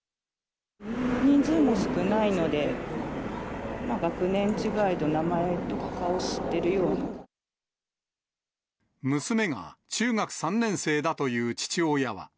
人数も少ないので、学年違いでも、娘が中学３年生だという父親は。